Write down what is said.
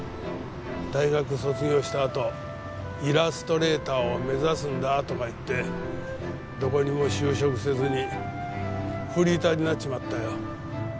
大学卒業したあとイラストレーターを目指すんだとか言ってどこにも就職せずにフリーターになっちまったよ。